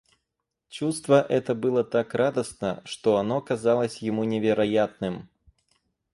Чувство это было так радостно, что оно казалось ему невероятным.